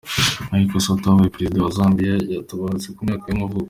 Michael Sata, wabaye perezida wa wa Zambia yaratabarutse, ku myaka y’amavuko.